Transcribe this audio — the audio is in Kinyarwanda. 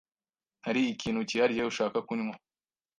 Hari ikintu cyihariye ushaka kunywa?